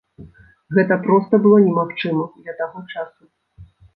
Гэта проста было немагчыма для таго часу.